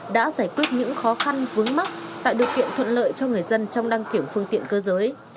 đã giải quyết những khó khăn vướng mắt tạo điều kiện thuận lợi cho người dân trong đăng kiểm phương tiện cơ giới